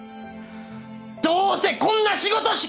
どうせこんな仕事しか！